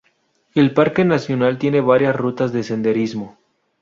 El parque nacional tiene varias rutas de senderismo.